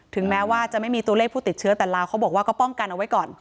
แม้ว่าจะไม่มีตัวเลขผู้ติดเชื้อแต่ลาวเขาบอกว่าก็ป้องกันเอาไว้ก่อน